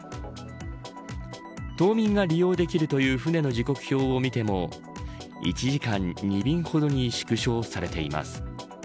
島民が利用できるという船の時刻表を見ても１時間に２便ほどに縮小されています。